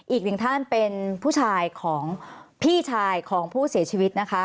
อีกหนึ่งท่านเป็นผู้ชายของพี่ชายของผู้เสียชีวิตนะคะ